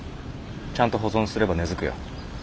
ちゃんと保存すれば根づくよ。